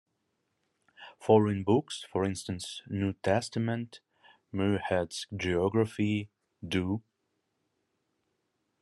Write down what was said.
Foreign books for instance New Testament, Muirhead's Geography, Do.